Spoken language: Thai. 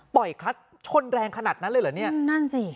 คลัสชนแรงขนาดนั้นเลยเหรอเนี่ยนั่นสิ